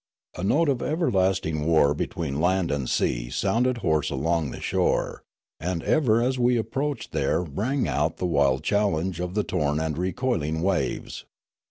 A note of everlasting war between land and sea sounded hoarse along the shore, and ever as we approached there rang out the wild challenge of the torn and recoiling waves.